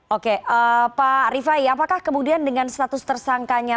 oke pak rifai apakah kemudian dengan status tersangkanya